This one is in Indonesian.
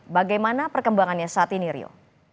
bagaimana perkembangannya saat ini rio